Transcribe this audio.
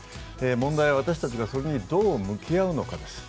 問題は、私たちがそれにどう向き合うのかです。